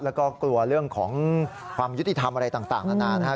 แล้วก็กลัวเรื่องของความยุติธรรมอะไรต่างนานานะครับ